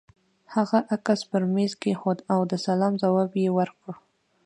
هغه عکس پر مېز کېښود او د سلام ځواب يې ورکړ.